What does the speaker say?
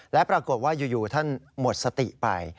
และปรากฏว่าอยู่ท่านหมดสติไป